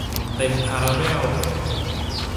เต็มคาราเบล